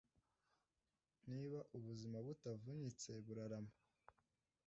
niba ubuzima butavunitse burarama